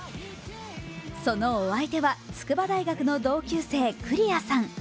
そのお相手は筑波大学の同級生・クリアさん。